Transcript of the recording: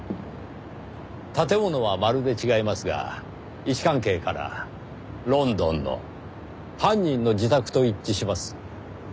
建物はまるで違いますが位置関係からロンドンの犯人の自宅と一致します。